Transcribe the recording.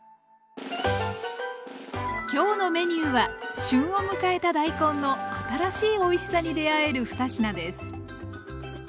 今日のメニューは旬を迎えた大根の新しいおいしさに出会える２品です。